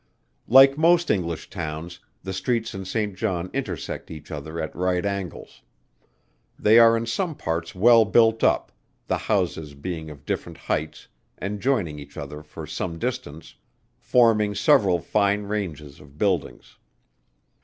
Like most English towns, the streets in St. John intersect each other at right angles. They are in some parts well built up, the houses being of different heights and joining each other for some distance, forming several fine ranges of buildings.